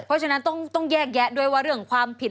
เพราะฉะนั้นต้องแยกแยะด้วยว่าเรื่องความผิด